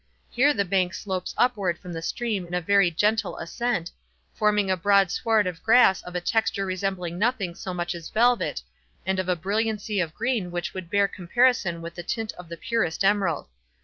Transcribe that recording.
Here the bank slopes upward from the stream in a very gentle ascent, forming a broad sward of grass of a texture resembling nothing so much as velvet, and of a brilliancy of green which would bear comparison with the tint of the purest emerald.